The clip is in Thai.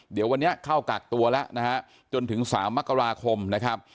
เดี๋ยววันนี้เข้ากักตัวแล้วนะฮะจนถึง๓มกราคมนะครับ